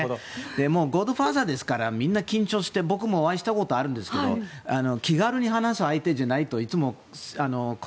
もう「ゴッドファーザー」ですからみんな緊張して僕もお会いしたことあるんですが気軽に話す相手じゃないといつも。